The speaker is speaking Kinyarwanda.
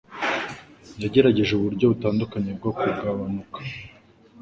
Yagerageje uburyo butandukanye bwo kugabanuka.